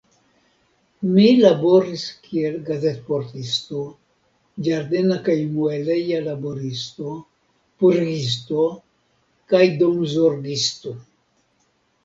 Mi laboris kiel gazetportisto, ĝardena kaj mueleja laboristo, purigisto kaj domzorgisto.